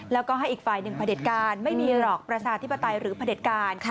แล้วก็ให้อีกฝ่ายหนึ่งพระเด็จการไม่มีหรอกประชาธิปไตยหรือพระเด็จการ